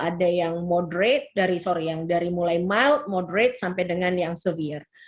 ada yang dari mulai mild moderate sampai dengan yang severe